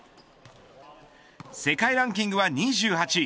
世界ランキングは２８位。